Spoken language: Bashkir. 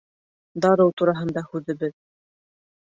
Дарыу тураһында һүҙебеҙ.